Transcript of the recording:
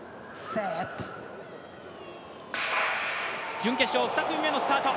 準決勝２組目のスタート。